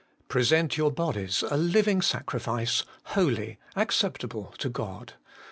'Present your bodies a living sacrifice, holy, acceptable to God.'